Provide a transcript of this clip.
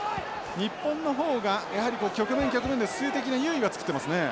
日本のほうがやはり局面局面で数的な優位は作ってますね。